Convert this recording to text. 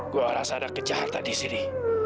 gue rasa ada kejahatan di sini